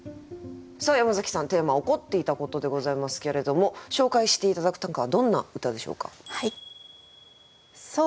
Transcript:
さあ山崎さんテーマ「怒っていたこと」でございますけれども紹介して頂く短歌はどんな歌でしょうか。